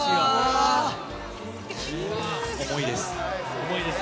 重いです。